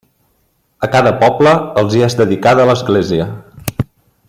A cada poble els hi és dedicada l'església.